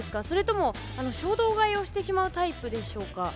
それとも衝動買いをしてしまうタイプでしょうか？